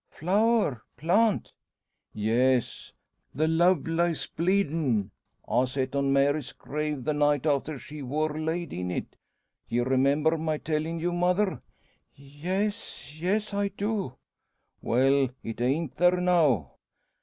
"Flower! plant!" "Yes; the Love lies bleedin' I set on Mary's grave the night after she wor laid in it. Ye remember my tellin' you, mother?" "Yes yes; I do." "Well, it ain't there now."